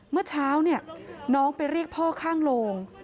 เมื่อเช้าเนี่ยน้องไปเรียกพ่อข้างโรง